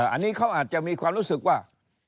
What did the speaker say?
อันนี้เขาอาจจะมีความรู้สึกว่า